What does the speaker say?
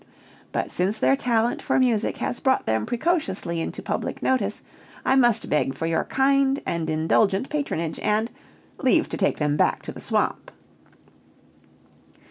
But since their talent for music has brought them precociously into public notice, I must beg for your kind and indulgent patronage, and leave to take them back to the swamp!"